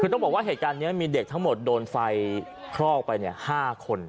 คือต้องบอกว่าเหตุการณ์นี้มีเด็กทั้งหมดโดนไฟคลอกไป๕คน